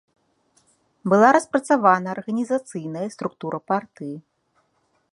Была распрацавана арганізацыйная структура партыі.